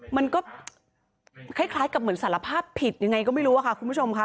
มันก็คล้ายกับเหมือนสารภาพผิดยังไงก็ไม่รู้ค่ะคุณผู้ชมค่ะ